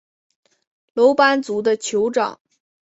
楼班族的酋长。